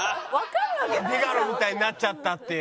「ビガロみたいになっちゃった」って。